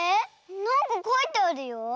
なんかかいてあるよ。